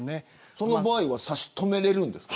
その場合は差し止めれるんですか。